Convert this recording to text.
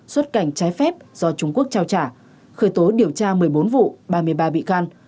xuất cảnh trái phép do trung quốc trao trả khởi tố điều tra một mươi bốn vụ ba mươi ba bị can